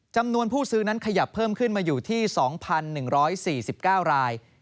จำนวนผู้ซื้อนั้นขยับเพิ่มขึ้นมาอยู่ที่๒๑๔๙ราย